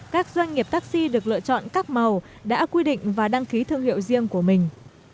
các doanh nghiệp taxi được lựa chọn các màu đã quy định và đăng ký thương hiệu riêng của mình